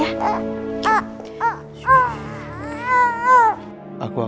aku ingin pergi